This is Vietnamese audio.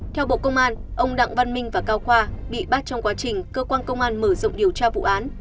theo bộ công an ông đặng văn minh và cao khoa bị bắt trong quá trình cơ quan công an mở rộng điều tra vụ án